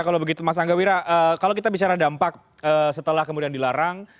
kalau begitu mas angga wira kalau kita bicara dampak setelah kemudian dilarang